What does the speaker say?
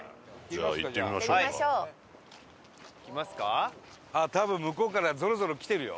伊達：多分向こうから、ぞろぞろ来てるよ。